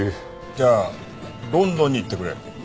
じゃあロンドンに行ってくれ。